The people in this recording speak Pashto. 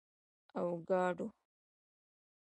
🥑 اوکاډو